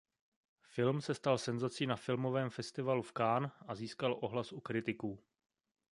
Film se stal senzací na Filmovém festivalu v Cannes a získal ohlas u kritiků.